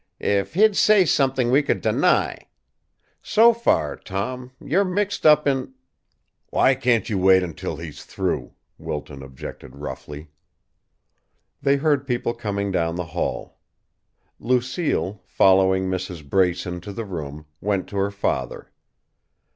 "If he'd say something we could deny! So far, Tom, you're mixed up in " "Why can't you wait until he's through?" Wilton objected roughly. They heard people coming down the hall. Lucille, following Mrs. Brace into the room, went to her father.